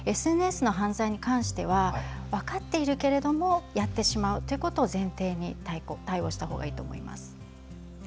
ＳＮＳの犯罪に関しては分かっているけれどもやってしまうということを前提に対応したほうがいいと思います。